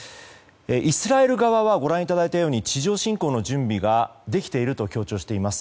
イスラエル側はご覧いただいたように地上侵攻の準備ができていると強調しています。